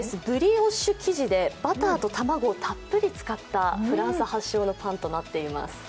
ブリオッシュ生地でバターと卵をたっぷり使ったフランス発祥のパンとなっています。